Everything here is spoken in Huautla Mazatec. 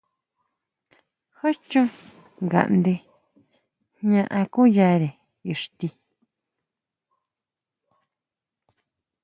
¿Júchon ngaʼnde jña akuyare ixti?